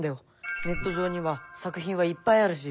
ネット上には作品はいっぱいあるし。